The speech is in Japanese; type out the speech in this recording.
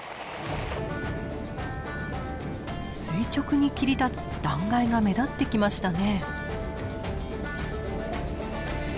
垂直に切り立つ断崖が目立ってきましたね。